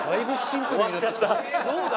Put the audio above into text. どうだ？